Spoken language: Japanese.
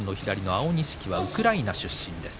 青錦がウクライナ出身です。